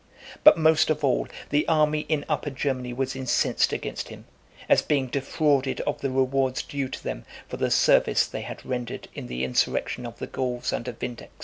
But most of all, the army in Upper Germany was incensed against him, as being defrauded of the rewards due to them for the service they had rendered in the insurrection of the Gauls under Vindex.